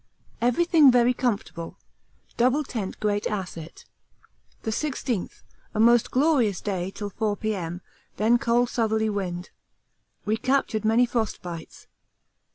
Everything very comfortable; double tent great asset. The 16th: a most glorious day till 4 P.M., then cold southerly wind. We captured many frost bites.